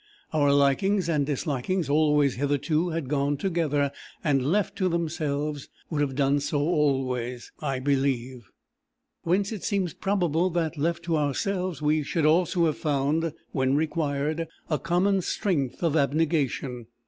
Our likings and dislikings always hitherto had gone together, and, left to themselves, would have done so always, I believe; whence it seems probable that, left to ourselves, we should also have found, when required, a common strength of abnegation.